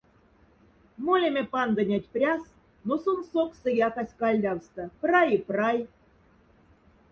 Молеме пандонять пряс, но сон соксса якась кальдявста — прай и прай.